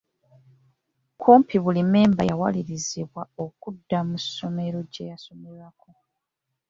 Kumpi buli mmemba yawalirizibwa okudda mu ssomero gye yasomerako.